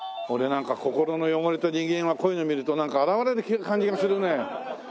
俺なんか心の汚れた人間はこういうの見るとなんか洗われる感じがするね。